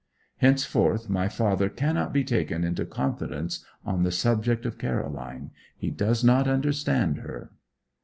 Henceforth my father cannot be taken into confidence on the subject of Caroline. He does not understand her.